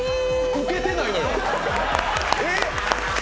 ウケてないのよ！